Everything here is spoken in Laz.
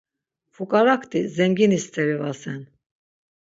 Fuǩarakti zengini-steri vasen.